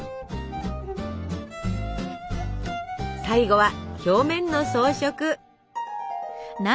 最後は表面の装飾。